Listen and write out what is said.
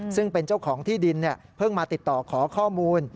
ซึ่งเป็นเจ้าของที่ดินเพิ่งมาติดต่อขอข้อมูล